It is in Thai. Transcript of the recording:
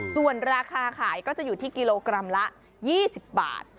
ส่วนราคาขายก็จะอยู่ที่กิโลกรัมละ๒๐บาท